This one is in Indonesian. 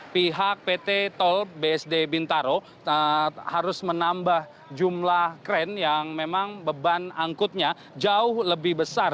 pihak pt tol bsd bintaro harus menambah jumlah kren yang memang beban angkutnya jauh lebih besar